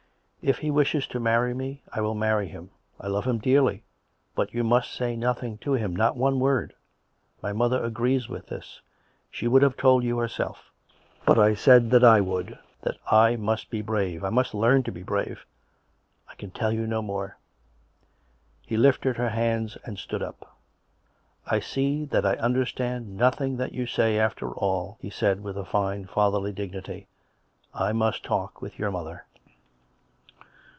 " If he wishes to marry me, I will marry him. I love him dearly. ... But you must say nothing to him, not one word. My mother agrees with this. She would have told you herself; but I said that I would — that I must be brave. ... I must learn to be brave. ... I can tell you no more." He lifted her hands and stood up. " I see that I understand nothing that you say after all," he said with a fine fatherly dignity. " I must talk with your mother."